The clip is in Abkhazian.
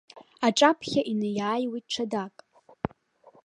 Аҿаԥхьа инеиааиуеит ҽадак.